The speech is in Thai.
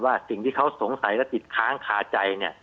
สิ่งที่เขาสงสัยและติดค้างคาใจ